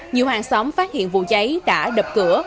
nhiều hàng xóm phát hiện vụ cháy đã đập cửa